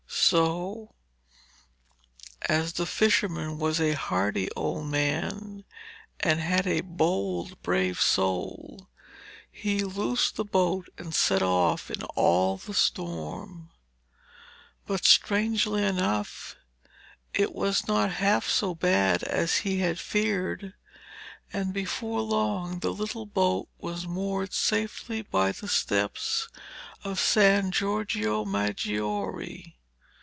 So, as the fisherman was a hardy old man and had a bold, brave soul, he loosed the boat and set off in all the storm. But, strangely enough, it was not half so bad as he had feared, and before long the little boat was moored safely by the steps of San Giorgio Maggiore.